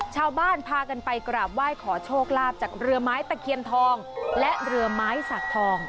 ชาวบ้านพากันไปกราบไหว้ขอโชคลาภจากเรือไม้ตะเคียนทองและเรือไม้สักทอง